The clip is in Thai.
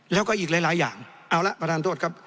แล้วก็อีกหลายอย่างเอาละประธานโทษครับ